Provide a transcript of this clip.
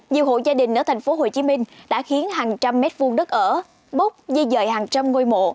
nhiều hộ gia đình ở tp hcm đã khiến hàng trăm mét vuông đất ở bốc di dời hàng trăm ngôi mộ